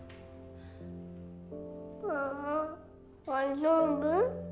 ママ大丈夫？